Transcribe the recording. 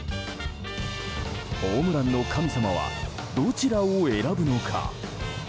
ホームランの神様はどちらを選ぶのか？